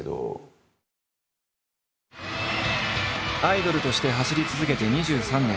アイドルとして走り続けて２３年。